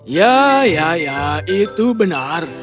ya ya itu benar